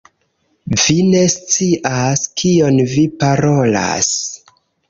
Vi ne scias kion vi parolas.